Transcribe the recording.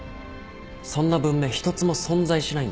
そんな文明一つも存在しないんだよ。